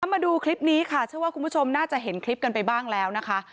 มาดูคลิปนี้ค่ะเชื่อว่าคุณผู้ชมน่าจะเห็นคลิปกันไปบ้างแล้วนะคะ